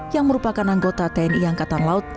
yang merupakan anggota tni angkatan laut